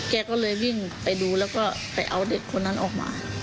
แกก็เลยวิ่งไปดูแล้วก็ไปเอาเด็กคนนั้นออกมา